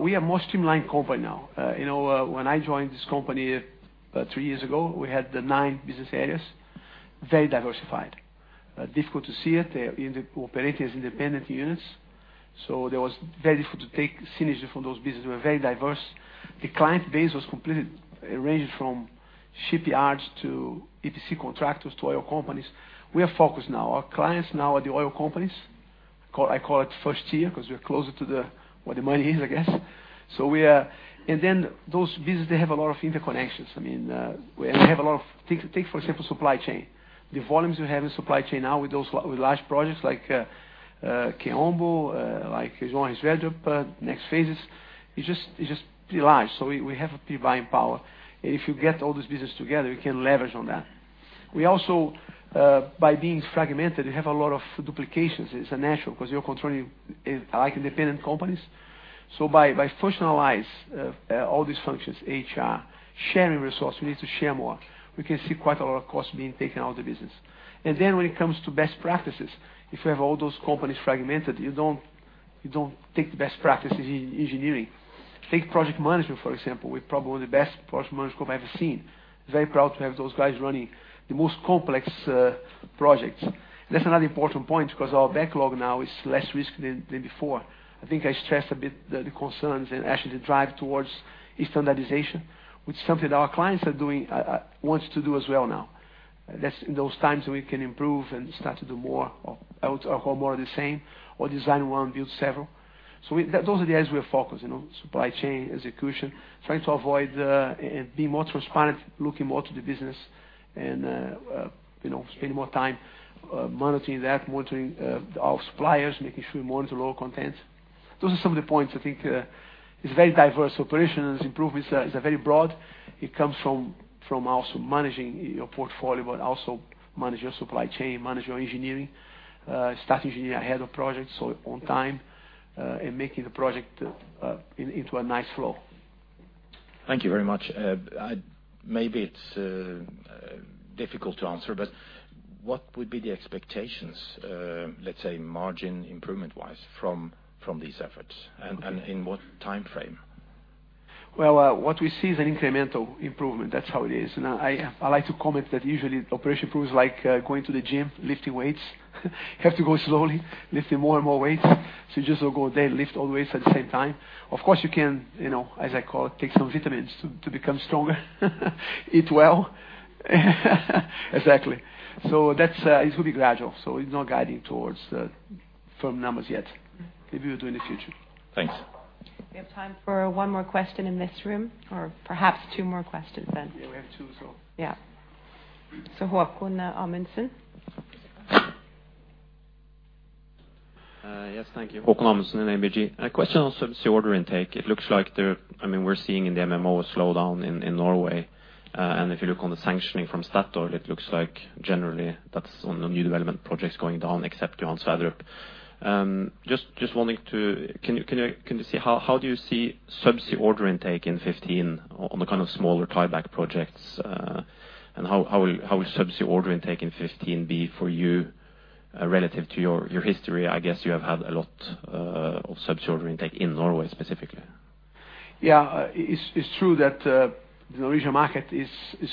Speaker 2: We are more streamlined company now. You know, when I joined this company, 3 years ago, we had the 9 business areas, very diversified. Difficult to see it in the operating as independent units. There was very difficult to take synergy from those business. We were very diverse. The client base was it ranged from shipyards to EPC contractors to oil companies. We are focused now. Our clients now are the oil companies. Call, I call it first tier, 'cause we're closer to the, where the money is, I guess. Those business, they have a lot of interconnections. I mean, we have a lot of. Take for example, supply chain. The volumes we have in supply chain now with large projects like Kaombo, like Johan Sverdrup, next phases, it's just pretty large. We have a pretty buying power. If you get all this business together, you can leverage on that. We also, by being fragmented, we have a lot of duplications. It's natural, 'cause you're controlling like independent companies. By functionalize all these functions, HR, sharing resource, we need to share more. We can see quite a lot of costs being taken out of the business. When it comes to best practices, if you have all those companies fragmented, you don't take the best practices in engineering. Take project management, for example. We're probably one of the best project management company I've ever seen. Very proud to have those guys running the most complex projects. That's another important point, because our backlog now is less risky than before. I think I stressed a bit the concerns and actually the drive towards standardization, which is something our clients are doing, wants to do as well now. That's in those times we can improve and start to do more of the same, or design one, build several. We, that, those are the areas we are focused, you know, supply chain, execution, trying to avoid, and be more transparent, looking more to the business and, you know, spending more time monitoring that, monitoring our suppliers, making sure we monitor lower content. Those are some of the points. I think it's very diverse operations. Improvement is a very broad. It comes from also managing your portfolio, but also manage your supply chain, manage your engineering, start engineering ahead of projects, so on time, and making the project in, into a nice flow.
Speaker 7: Thank you very much. Maybe it's difficult to answer, but what would be the expectations, let's say margin improvement-wise from these efforts? In what timeframe?
Speaker 2: Well, what we see is an incremental improvement. That's how it is. I like to comment that usually operation improves like, going to the gym, lifting weights. You have to go slowly, lifting more and more weights. You just don't go there and lift all the weights at the same time. Of course you can, you know, as I call it, take some vitamins to become stronger. Eat well. Exactly. That's, it will be gradual, so it's not guiding towards firm numbers yet. Maybe we'll do in the future.
Speaker 7: Thanks.
Speaker 1: We have time for one more question in this room, or perhaps two more questions then. Yeah, we have two, so. Yeah. Haakon Amundsen.
Speaker 8: Yes. Thank you. Haakon Amundsen in ABG. A question also subsea order intake. It looks like there, I mean we're seeing in the MMO a slowdown in Norway. If you look on the sanctioning from Statoil, it looks like generally that's on the new development projects going down except Johan Sverdrup. Wanting to, can you see how do you see subsea order intake in 2015 on the kind of smaller tieback projects? How will subsea order intake in 2015 be for you relative to your history? I guess you have had a lot of subsea order intake in Norway specifically.
Speaker 2: Yeah. It's true that the Norwegian market is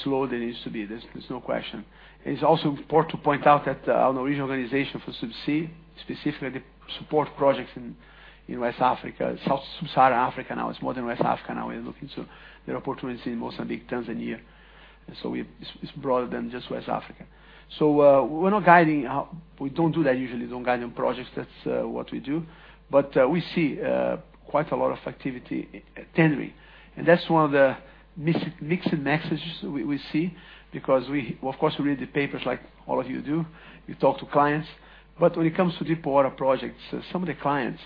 Speaker 2: low than it used to be. There's no question. It's also important to point out that our Norwegian organization for subsea, specifically the support projects in West Africa, South Sub-Saharan Africa now, it's more than West Africa now we're looking. There are opportunities in Mozambique, Tanzania, and it's broader than just West Africa. We're not guiding how... We don't do that usually, we don't guide on projects. That's what we do. We see quite a lot of activity tendering, and that's one of the messages we see because we of course, we read the papers like all of you do. We talk to clients. When it comes to deepwater projects, some of the clients,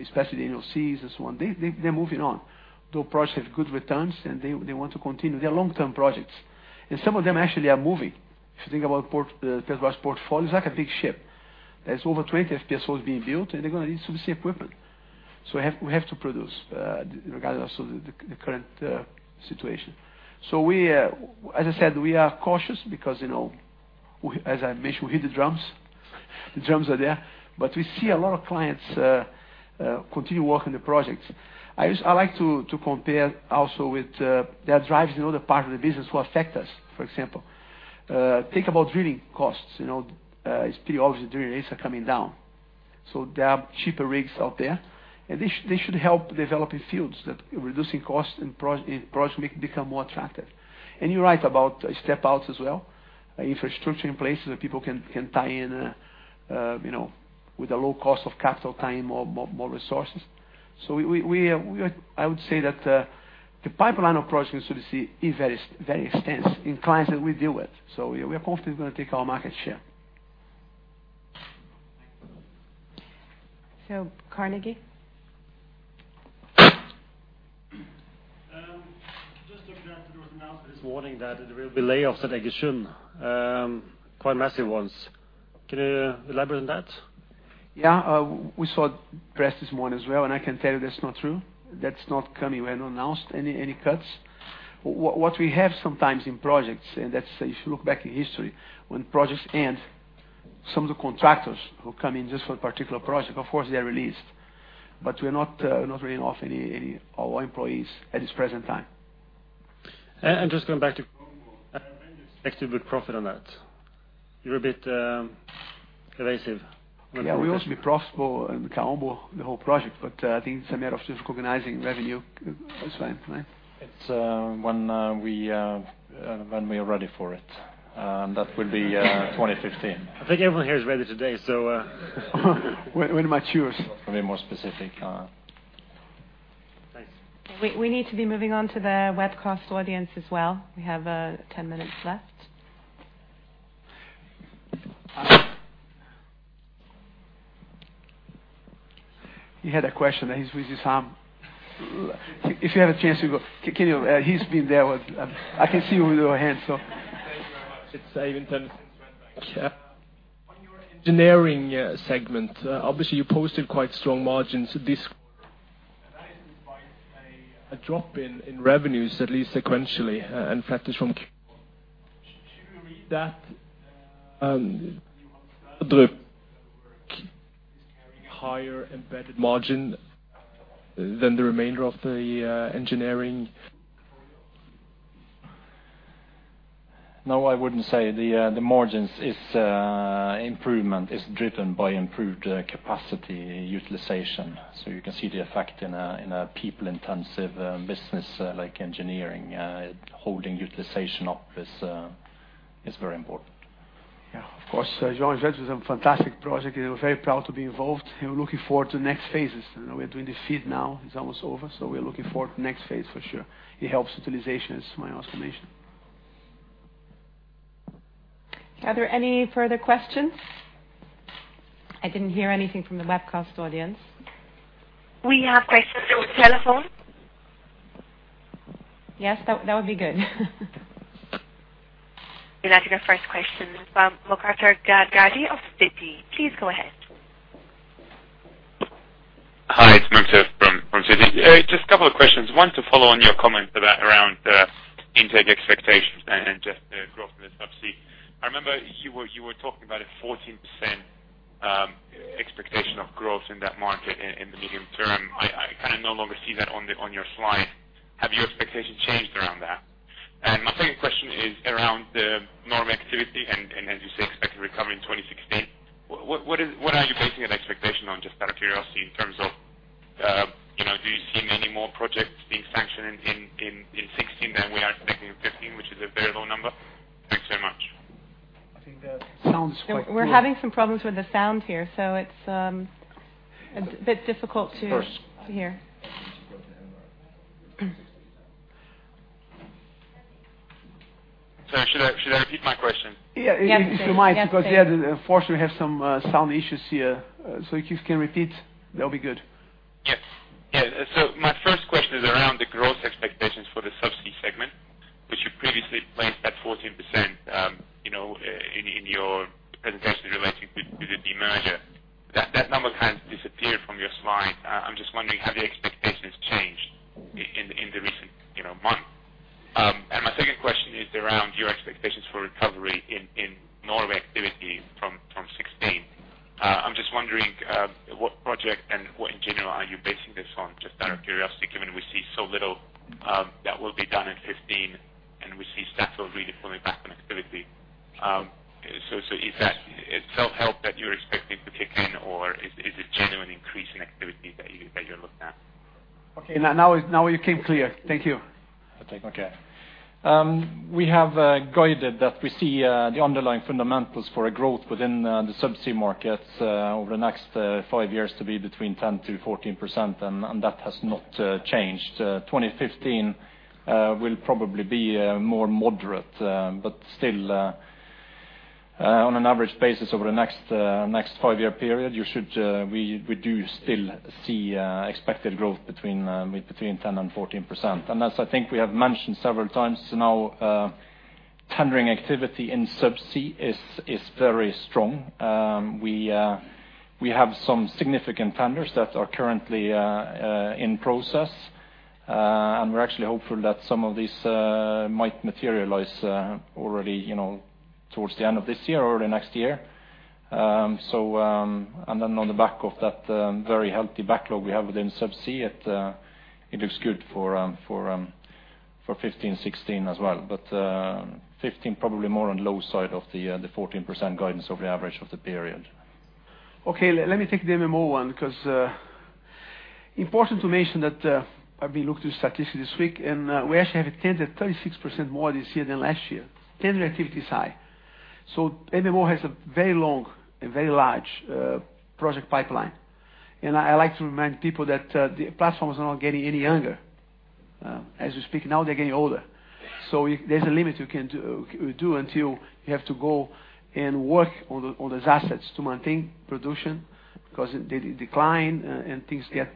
Speaker 2: especially the NOCs and so on, they're moving on. Though projects have good returns, and they want to continue. They're long-term projects, and some of them actually are moving. If you think about Petrobras's portfolio, it's like a big ship. These's over 20 FPSOs being built, and they're gonna need subsea equipment. We have to produce, regardless of the current situation. We, as I said, we are cautious because, you know, we, as I mentioned, we hear the drums. The drums are there, we see a lot of clients continue working the projects. I like to compare also with their drives in other parts of the business who affect us. For example, think about drilling costs. You know, it's pretty obvious the drilling rates are coming down. There are cheaper rigs out there, and they should help developing fields that reducing costs and projects become more attractive. You're right about step outs as well. Infrastructure in place that people can tie in, you know, with a low cost of capital, tie in more resources. We are I would say that the pipeline of projects in subsea is very extensive in clients that we deal with. We are constantly gonna take our market share.
Speaker 1: Carnegie.
Speaker 9: Just looking out for the announcement this morning that there will be layoffs at Egersund. Quite massive ones. Can you elaborate on that?
Speaker 2: We saw press this morning as well. I can tell you that's not true. That's not coming. We have not announced any cuts. What we have sometimes in projects, that's if you look back in history, when projects end, some of the contractors who come in just for a particular project, of course, they are released. We're not laying off any our employees at this present time.
Speaker 9: Just going back to Kaombo, when do you expect to book profit on that? You're a bit evasive.
Speaker 2: Yeah, we want to be profitable in Kaombo, the whole project, but, I think it's a matter of just recognizing revenue as well, right?
Speaker 3: It's when we are ready for it, that will be 2015.
Speaker 9: I think everyone here is ready today.
Speaker 2: When am I due?
Speaker 3: To be more specific.
Speaker 9: Thanks.
Speaker 1: We need to be moving on to the webcast audience as well. We have 10 minutes left.
Speaker 2: He had a question, and he's raised his arm. If you have a chance to go. He's been there with. I can see you with your hand, so.
Speaker 6: Thank you very much. It's Eivind Tønnesen from DNB. On your engineering segment, obviously you posted quite strong margins this quarter, and that is despite a drop in revenues, at least sequentially, and flatters from Q1. Should we read that, you understand that the work is carrying a higher embedded margin than the remainder of the engineering portfolio?
Speaker 3: No, I wouldn't say the margins is improvement is driven by improved capacity utilization. You can see the effect in a people-intensive business like engineering. Holding utilization up is very important.
Speaker 2: Of course. Johan Sverdrup is a fantastic project, we're very proud to be involved, we're looking forward to next phases. You know, we're doing the FEED now, it's almost over, we're looking forward to next phase for sure. It helps utilization is my estimation.
Speaker 1: Are there any further questions? I didn't hear anything from the webcast audience.
Speaker 10: We have questions through telephone.
Speaker 1: Yes, that would be good.
Speaker 10: We'll now take our first question from Mukhtar Garadaghi of Citi. Please go ahead.
Speaker 11: Hi, it's Mukhtar from Citi. Just a couple of questions. One, to follow on your comment about around intake expectations and just the growth in the subsea. I remember you were talking about a 14% expectation of growth in that market in the medium term. I kind of no longer see that on your slide. Have your expectations changed around that? My second question is around the Norway activity and as you say, expected recovery in 2016. What are you basing that expectation on, just out of curiosity, in terms of, you know, do you see many more projects being sanctioned in 2016 than we are expecting in 2015, which is a very low number? Thanks so much.
Speaker 2: I think that sounds quite.
Speaker 1: We're having some problems with the sound here, so it's a bit difficult to hear.
Speaker 11: Sorry, should I repeat my question?
Speaker 2: Yeah.
Speaker 1: Yes, please. Yes, please.
Speaker 2: If you might, because, yeah, unfortunately, we have some sound issues here. If you can repeat, that'll be good.
Speaker 11: Yes. Yeah, my first question is around the growth expectations for the subsea segment, which you previously placed at 14%, you know, in your presentation relating to the demerger. That number has disappeared from your slide. I'm just wondering, have your expectations changed in the recent, you know, month? My second question is around your expectations for recovery in Norway activity from 2016. I am just wondering what project and what engineer are you're basing this on just out of curiosity, given we see so little, that will be done in 2015, and we see Statoil really pulling back on activity. Is self-help that you're expecting to kick in or is it genuine increase in activity that you, that you're looking at?
Speaker 2: Okay. Now, now you came clear. Thank you.
Speaker 3: Okay. We have guided that we see the underlying fundamentals for a growth within the subsea markets over the next 5 years to be between 10%-14%, and that has not changed. 2015 will probably be more moderate, but still on an average basis over the next 5-year period, you should, we do still see expected growth between 10% and 14%. As I think we have mentioned several times now, tendering activity in subsea is very strong. We have some significant tenders that are currently in process. We're actually hopeful that some of these might materialize already, you know, towards the end of this year or the next year. On the back of that, very healthy backlog we have within subsea, it looks good for 15, 16 as well but 15 probably more on low side of the 14% guidance over the average of the period.
Speaker 2: Okay. Let me take the MMO one, because important to mention that I've been looking through statistics this week, and we actually have a tender 36% more this year than last year. Tender activity is high. MMO has a very long and very large project pipeline. I like to remind people that the platforms are not getting any younger. As we speak now, they're getting older. There's a limit you can do until you have to go and work on those assets to maintain production because they decline and things get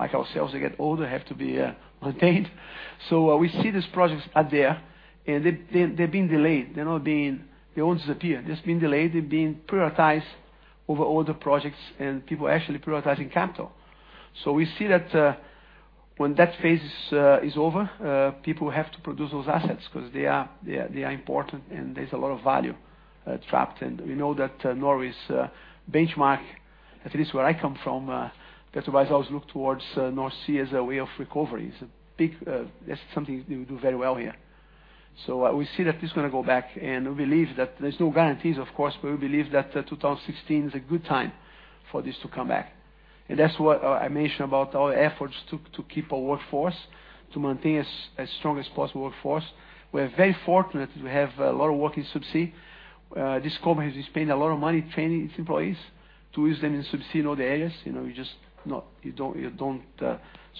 Speaker 2: like ourselves, they get older, have to be maintained. We see these projects are there, and they've been delayed. They won't disappear. They've just been delayed. They've been prioritized over all the projects, and people are actually prioritizing capital. We see that, when that phase is over, people have to produce those assets because they are important, and there's a lot of value, trapped. We know that Norway's benchmark, at least where I come from, Petrobras always look towards North Sea as a way of recovery. That's something we do very well here. We see that it's gonna go back, and we believe that there's no guarantees, of course, but we believe that 2016 is a good time for this to come back. That's what I mentioned about our efforts to keep our workforce, to maintain as strong as possible workforce. We're very fortunate to have a lot of work in subsea. This company has spent a lot of money training its employees to use them in subsea in all the areas. You know, you just don't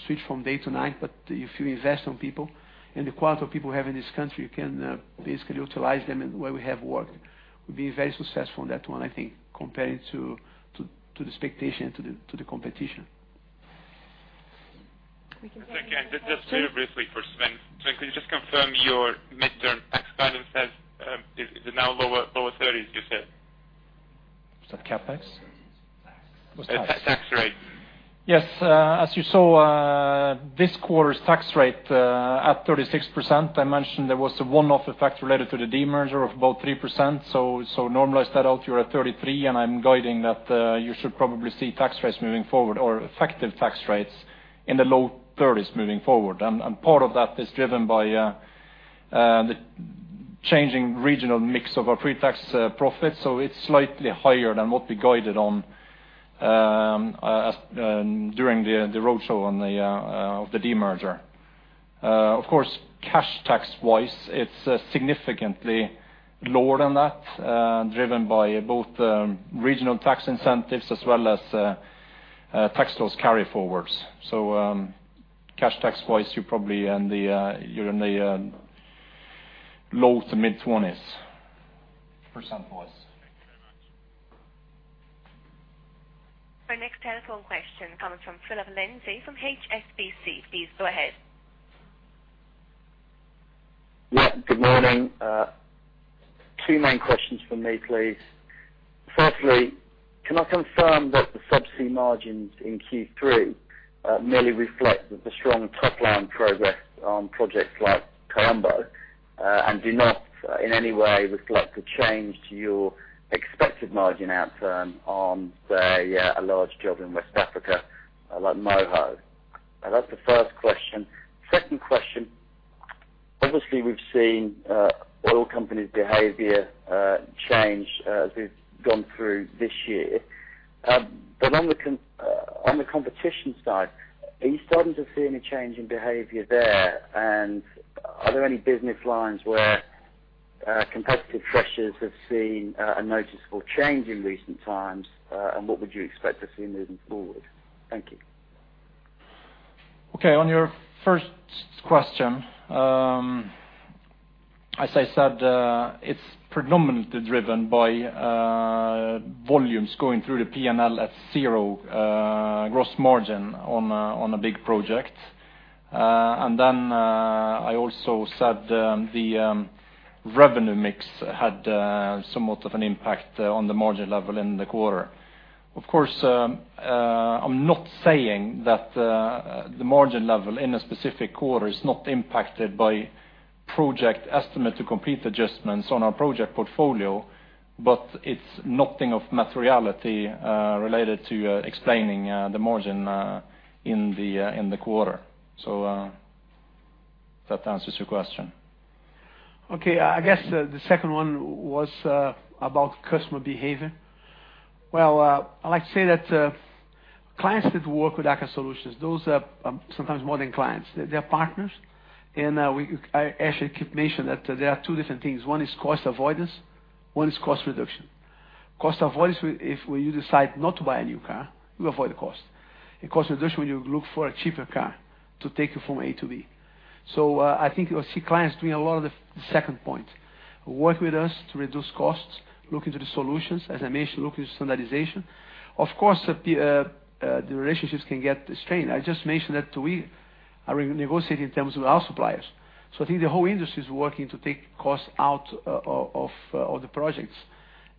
Speaker 2: switch from day to night. If you invest on people and the quality of people we have in this country, you can basically utilize them in where we have work. We've been very successful on that one, I think, comparing to the expectation, to the competition.
Speaker 1: We can take-
Speaker 11: Okay. Just very briefly for Svein. Svein, can you just confirm your midterm tax guidance has, is it now lower thirties, you said?
Speaker 3: Is that CapEx?
Speaker 11: Tax.
Speaker 3: What's tax?
Speaker 11: The tax rate.
Speaker 3: Yes. As you saw, this quarter's tax rate at 36%, I mentioned there was a one-off effect related to the demerger of about 3%. Normalize that out, you're at 33%, and I'm guiding that you should probably see tax rates moving forward or effective tax rates in the low 30s moving forward. Part of that is driven by the changing regional mix of our pre-tax profits. So it is slightly higher than what we guided on during the road show of the demerger. Of course, cash tax-wise, it's significantly lower than that, driven by both regional tax incentives as well as tax loss carryforwards. Cash tax-wise, you're probably in the, you're in the low to mid-20s percent-wise.
Speaker 11: Thank you very much.
Speaker 10: Our next telephone question comes from Philip Lindsay from HSBC. Please go ahead.
Speaker 12: Yeah, good morning. Two main questions from me, please. Firstly, can I confirm that the subsea margins in Q3 merely reflect the strong top-line progress on projects like Kaombo and do not in any way reflect a change to your expected margin outcome on, say, a large job in West Africa like Moho? That's the first question. Second question. Obviously, we've seen oil companies' behavior change as we've gone through this year. On the competition side, are you starting to see any change in behavior there? Are there any business lines where competitive pressures have seen a noticeable change in recent times? What would you expect to see moving forward? Thank you.
Speaker 3: Okay. On your first question, as I said, it's predominantly driven by volumes going through the P&L at 0 gross margin on a big project and then I also said, the revenue mix had somewhat of an impact on the margin level in the quarter. Of course, I'm not saying that the margin level in a specific quarter is not impacted by Project estimate to complete adjustments on our project portfolio, but it's nothing of materiality related to explaining the margin in the quarter. If that answers your question.
Speaker 2: Okay. I guess the second one was about customer behavior. Well, I like to say that clients that work with Aker Solutions, those are sometimes more than clients. They're partners. I actually keep mentioning that there are two different things. One is cost avoidance, one is cost reduction. Cost avoidance, if when you decide not to buy a new car, you avoid the cost. In cost reduction, when you look for a cheaper car to take you from A to B. I think you'll see clients doing a lot of the second point. Work with us to reduce costs, look into the solutions, as I mentioned, look into standardization. Of course, the relationships can get strained. I just mentioned that we are negotiating in terms with our suppliers. I think the whole industry is working to take costs out of the projects.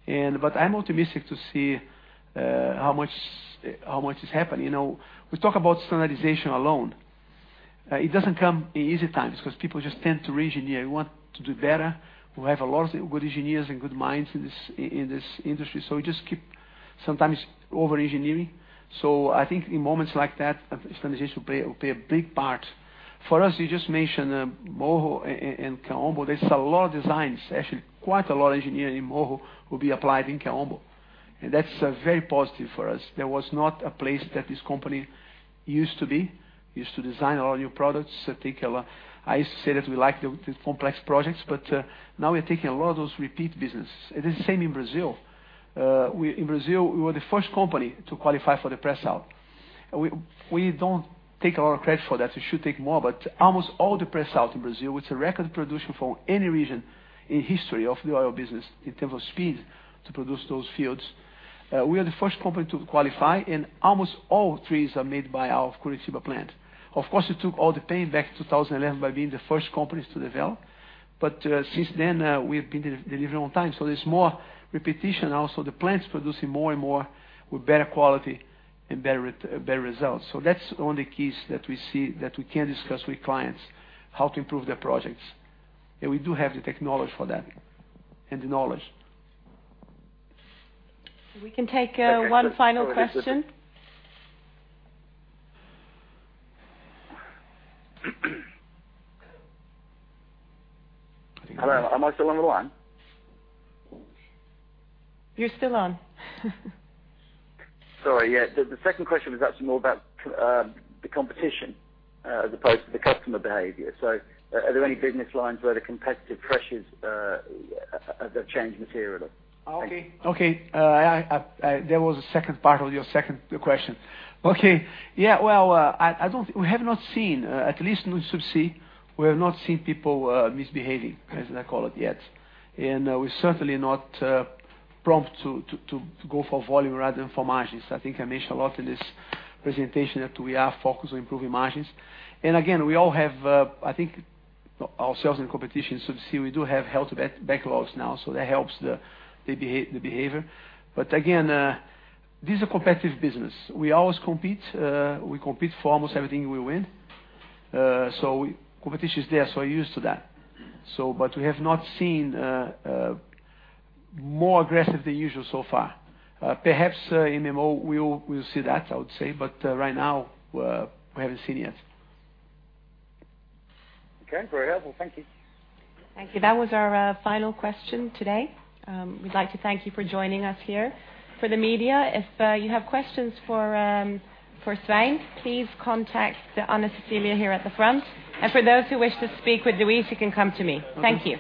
Speaker 2: I'm optimistic to see how much is happening. You know, we talk about standardization alone. It doesn't come in easy times, 'cause people just tend to re-engineer. We want to do better. We have a lot of good engineers and good minds in this industry. We just keep sometimes over-engineering. I think in moments like that, standardization will play a big part. For us, you just mentioned Moho and Kaombo. There's a lot of designs. Actually, quite a lot of engineering in Moho will be applied in Kaombo. That's very positive for us. There was not a place that this company used to design all our new products, I think a lot. I used to say that we like the complex projects, but now we're taking a lot of those repeat business. It is the same in Brazil. In Brazil, we were the first company to qualify for the pre-salt. We don't take a lot of credit for that. We should take more, but almost all the pre-salt in Brazil, it's a record production for any region in history of the oil business in terms of speed to produce those fields. We are the first company to qualify, and almost all trees are made by our Curitiba plant. Of course, it took all the pain back in 2011 by being the first companies to develop. Since then, we've been delivering on time, so there's more repetition. The plant's producing more and more with better quality and better results. That's one of the keys that we see that we can discuss with clients how to improve their projects. We do have the technology for that and the knowledge.
Speaker 1: We can take one final question.
Speaker 3: Okay. Sorry.
Speaker 12: Hello, am I still on the line?
Speaker 1: You're still on.
Speaker 12: Sorry, yeah. The second question was actually more about the competition, as opposed to the customer behavior. Are there any business lines where the competitive pressures that change materially? Thank you.
Speaker 2: Okay. Okay. There was a second part of your second question. Okay. Well, we have not seen, at least in Subsea, we have not seen people misbehaving, as I call it, yet. We're certainly not prompt to go for volume rather than for margins. I think I mentioned a lot in this presentation that we are focused on improving margins. Again, we all have, I think ourselves in competition. Subsea, we do have health backlogs now, so that helps the behavior. This is a competitive business. We always compete. We compete for almost everything we win. Competition is there, so we're used to that. But we have not seen more aggressive than usual so far. Perhaps, in Moho, we'll see that, I would say. Right now, we haven't seen it yet.
Speaker 12: Okay. Very helpful. Thank you.
Speaker 1: Thank you. That was our final question today. We'd like to thank you for joining us here. For the media, if you have questions for Svein, please contact Ana Cecilia here at the front. For those who wish to speak with Luis, you can come to me. Thank you.